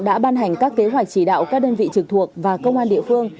đã ban hành các kế hoạch chỉ đạo các đơn vị trực thuộc và công an địa phương